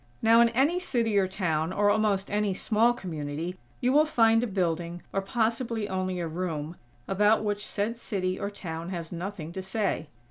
Now, in any city or town, or almost any small community, you will find a building, or possibly only a room, about which said city or town has nothing to say.